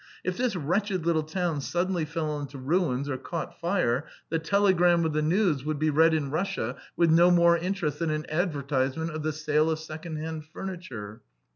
If this wretched little town suddenly fell into ruins or caught fire, the telegram with the news would be read in Russia with no more interest than an advertisement of the sale of second hand furniture.